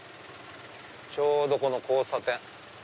ちょうどこの交差点。